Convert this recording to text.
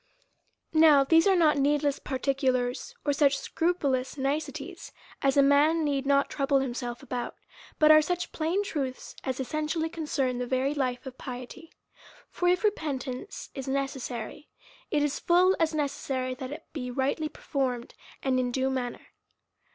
Now these are not heedless particulars, or such scrupulous niceties, as a man need not trouble himself about ; but are such plain truths, as essentially concern the very life of piety. For if repentance is necessary, it is full as necessary that it might be rightly performed, and in due manner.